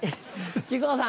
木久扇さん。